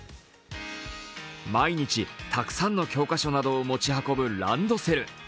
毎日たくさんの教科書などを持ち運ぶランドセル。